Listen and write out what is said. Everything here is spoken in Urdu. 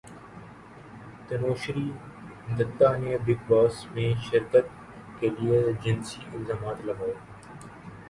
تنوشری دتہ نے بگ باس میں شرکت کیلئے جنسی الزامات لگائے